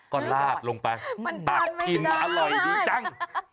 ก็ลาดลงไปปากกินอร่อยดีจัง